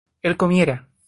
¿él comiera?